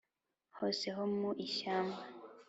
hose ho mu ishyamba